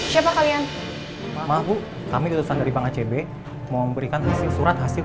siapa kalian maaf bu kami letusan dari bank acb mau memberikan hasil surat hasil